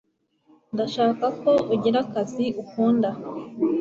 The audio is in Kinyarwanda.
ndashaka ko ugira akazi ukunda